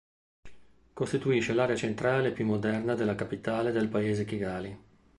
Costituisce l'area centrale e più moderna della capitale del paese Kigali.